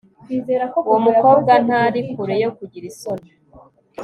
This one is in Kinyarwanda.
Uwo mukobwa ntari kure yo kugira isoni